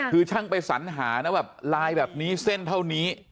คือช่างไปสัญหานะแบบลายแบบนี้เส้นเท่านี้